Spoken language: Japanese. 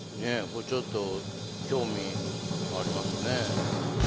これちょっと興味ありますね。